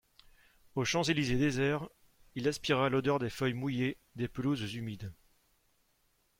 Aux Champs-Elysées déserts, il aspira l'odeur des feuilles mouillées, des pelouses humides.